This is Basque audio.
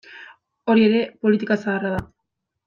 Hori ere politika zaharra da.